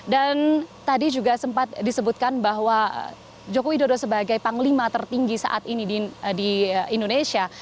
dan tadi juga sempat disebutkan bahwa jokowi dodo sebagai panglima tertinggi saat ini di indonesia